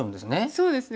そうですね。